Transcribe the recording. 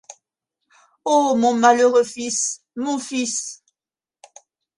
Ô mon malheureux fils! mon fils !